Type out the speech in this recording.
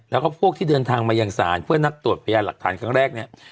แล้วก็พวกที่เดินทางมายังศาลเพื่อนัดตรวจพยานหลักฐานครั้งแรกเนี่ย